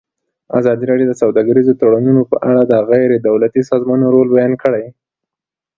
ازادي راډیو د سوداګریز تړونونه په اړه د غیر دولتي سازمانونو رول بیان کړی.